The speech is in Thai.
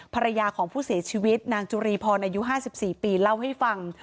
ภรรยาของผู้เสียชีวิตนางจุรีพรอายุ๕๔ปีเล่าให้ฟัง